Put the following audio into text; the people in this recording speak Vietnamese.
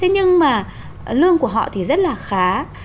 nhưng mà lương của họ thì rất là khá